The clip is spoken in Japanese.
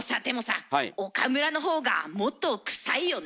岡村の方がもっとくさいよね。